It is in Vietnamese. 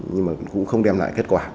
nhưng mà cũng không đem lại kết quả